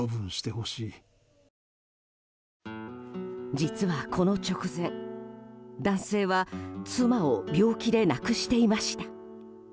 実はこの直前、男性は妻を病気で亡くしていました。